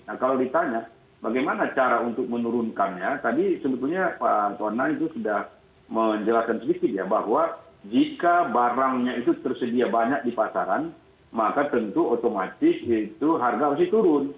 nah kalau ditanya bagaimana cara untuk menurunkannya tadi sebetulnya pak tonang itu sudah menjelaskan sedikit ya bahwa jika barangnya itu tersedia banyak di pasaran maka tentu otomatis itu harga harusnya turun